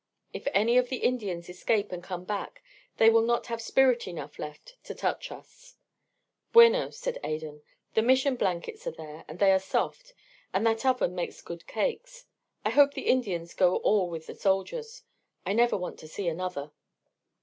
If any of the Indians escape and come back, they will not have spirit enough left to touch us." "Bueno," said Adan. "The Mission blankets are there and they are soft, and that oven makes good cakes. I hope the Indians go all with the soldiers. I never want to see another."